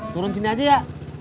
turun sini aja ya